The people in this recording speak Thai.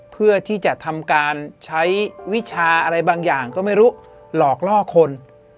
เพื่อที่จะทำการใช้วิชาอะไรบางอย่างก็ไม่รู้หลอกล่อคน